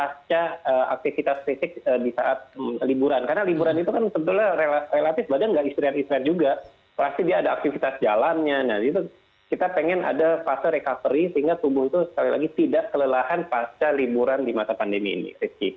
pasca aktivitas fisik di saat liburan karena liburan itu kan sebetulnya relatif badan nggak ister juga pasti dia ada aktivitas jalannya nah itu kita pengen ada fase recovery sehingga tubuh itu sekali lagi tidak kelelahan pasca liburan di masa pandemi ini